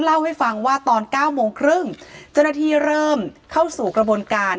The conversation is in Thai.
เล่าให้ฟังว่าตอนเก้าโมงครึ่งเจ้าหน้าที่เริ่มเข้าสู่กระบวนการ